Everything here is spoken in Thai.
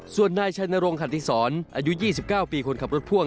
ส่วนนายชัยนรงค์ขันที่สอนอายุ๒๙ปีคนขับรถพ่วง